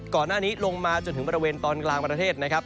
ก่อนหน้านี้ลงมาจนถึงบริเวณตอนกลางประเทศนะครับ